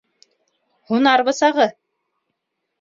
— Һунар бысағы.